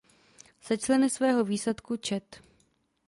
Se členy svého výsadku čet.